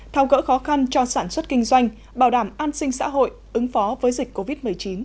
thao gỡ khó khăn cho sản xuất kinh doanh bảo đảm an sinh xã hội ứng phó với dịch covid một mươi chín